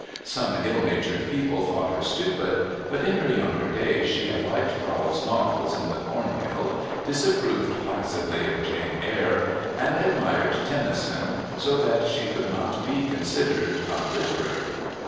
Some ill natured people thought her stupid, but in her younger days she had liked Trollope's novels in the Cornhill, disapproved placidly of "Jane Eyre," and admired Tennyson, so that she could not be considered unliterary.